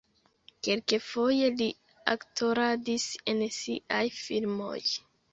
Kelkfoje li aktoradis en siaj filmoj.